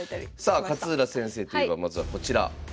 さあ勝浦先生といえばまずはこちら。